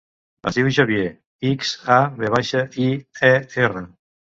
Es diu Xavier: ics, a, ve baixa, i, e, erra.